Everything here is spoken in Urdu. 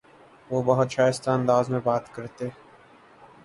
وہ بہت شائستہ انداز میں بات کرتے